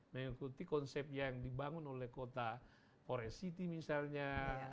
mengikuti konsep yang dibangun oleh kota forest city misalnya